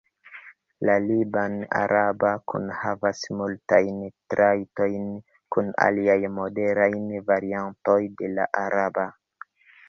La liban-araba kunhavas multajn trajtojn kun aliaj modernaj variantoj de la araba.